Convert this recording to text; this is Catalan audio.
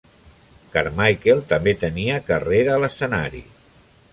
Carmichael també tenia carrera a l'escenari.